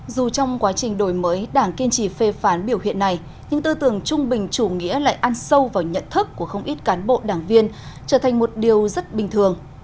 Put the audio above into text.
dù trong quá trình đổi mới đảng kiên trì phê phán biểu hiện này nhưng tư tưởng trung bình chủ nghĩa lại ăn sâu vào nhận thức của không ít cán bộ đảng viên trở thành một điều rất bình thường